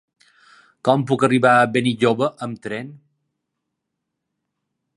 Com puc arribar a Benilloba amb tren?